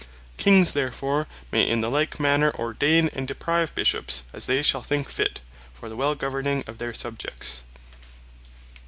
Kings therefore may in the like manner Ordaine, and Deprive Bishops, as they shall thinke fit, for the well governing of their Subjects.